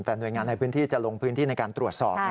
แต่หน่วยงานในพื้นที่จะลงพื้นที่ในการตรวจสอบ